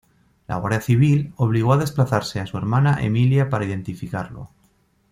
La Guardia Civil obligó a desplazarse a su hermana Emilia para identificarlo.